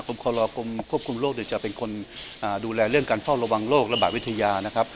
คอลกรมควบคุมโรคจะเป็นคนดูแลเรื่องการเฝ้าระวังโรคระบาดวิทยานะครับ